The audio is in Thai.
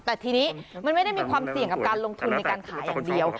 แต่ทีนี้มันไม่ได้มีความเสี่ยงกับการลงทุนในการขายอย่างเดียว